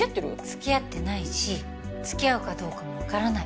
付き合ってないし付き合うかどうかも分からない